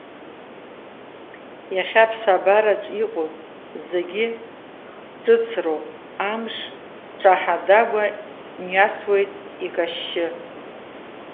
Иахьа аԥсабараҿиҟоу зегьы ҿыцроуп, амыш ҿаҳа-дагәа мҩасуеит икашьшьы.